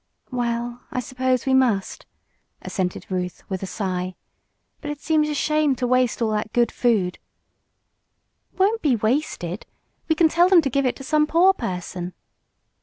"Well, I suppose we must," assented Ruth, with a sigh. "But it seems a shame to waste all that good food." "It won't be wasted. We can tell them to give it to some poor person."